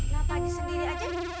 ya pa haji sendiri aja